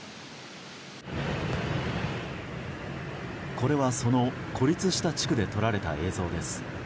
これは、その孤立した地区で撮られた映像です。